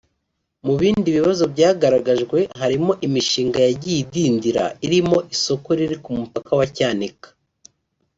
Mu bindi bibazo byagaragajwe harimo imishinga yagiye idindira irimo isoko riri ku mupaka wa Cyanika